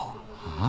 あ。